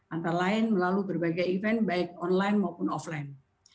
antara lain melalui berbagai event baik online maupun offline